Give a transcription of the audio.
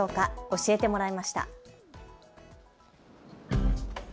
教えてもらいました。